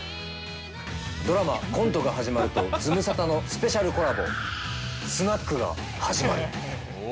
ドラマ、コントが始まるとズムサタのスペシャルコラボ、スナックが始まる。